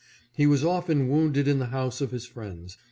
He was often wounded in the house of his friends.